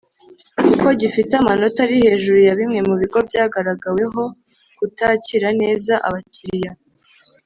kuko gifite amanota ari hejuru ya Bimwe mu bigo byagaragaweho kutakira neza abakiliya